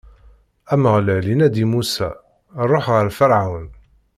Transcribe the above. Ameɣlal inna-d i Musa: Ṛuḥ ɣer Ferɛun.